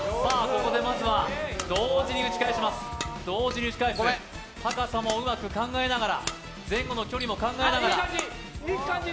ここでまずは同時に打ち返します同時に打ち返す高さもうまく考えながら前後の距離も考えながらいい感じ！